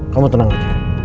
kamu tenang gitu